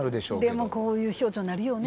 でもこういう表情になるよね。